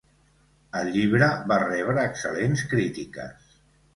El llibre va rebre excel·lents crítiques.